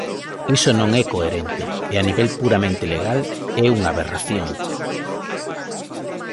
Iso non é coherente e a nivel puramente legal é unha aberración.